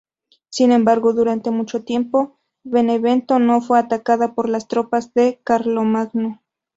Sin embargo, durante mucho tiempo, Benevento no fue atacada por las tropas de Carlomagno.